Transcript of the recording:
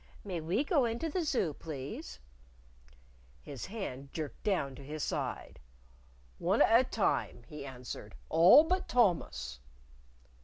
"May we go into the Zoo, please?" His hand jerked down to his side. "One at a time," he answered; " all but Thomas."